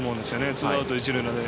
ツーアウト一塁なので。